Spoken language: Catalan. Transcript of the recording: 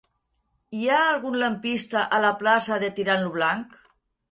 Hi ha algun lampista a la plaça de Tirant lo Blanc?